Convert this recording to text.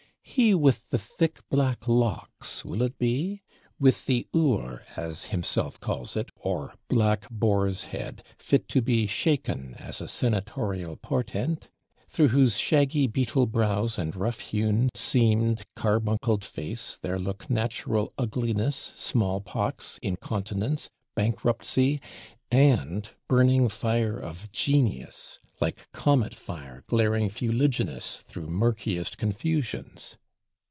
He with the thick black locks, will it be? With the hure, as himself calls it, or black boar's head, fit to be "shaken" as a senatorial portent? Through whose shaggy beetle brows and rough hewn, seamed, carbuncled face there look natural ugliness, small pox, incontinence, bankruptcy, and burning fire of genius, like comet fire glaring fuliginous through murkiest confusions?